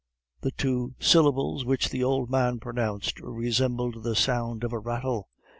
The two syllables which the old man pronounced resembled the sound of a rattle.